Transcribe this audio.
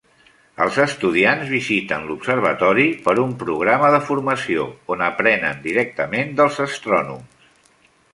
Els estudiants visiten l'observatori per un programa de formació, on aprenen directament dels astrònoms.